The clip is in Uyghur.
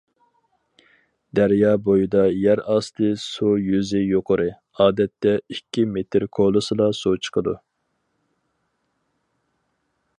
دەريا بويىدا يەر ئاستى سۇ يۈزى يۇقىرى، ئادەتتە ئىككى مېتىر كولىسىلا سۇ چىقىدۇ.